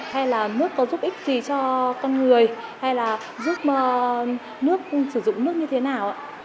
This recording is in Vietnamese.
hay là nước có giúp ích gì cho con người hay là giúp nước sử dụng nước như thế nào ạ